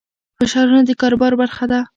فشارونه د کاروبار برخه ده.